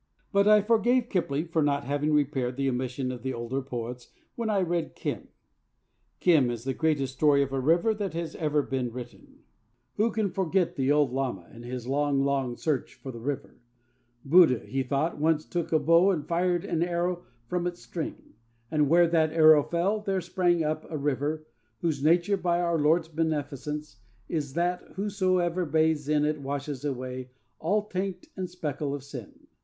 But I forgave Kipling for not having repaired the omission of the older poets when I read Kim. Kim is the greatest story of a river that has ever been written. Who can forget the old lama and his long, long search for the River? Buddha, he thought, once took a bow and fired an arrow from its string, and, where that arrow fell, there sprang up a river 'whose nature, by our Lord's beneficence, is that whoso bathes in it washes away all taint and speckle of sin.'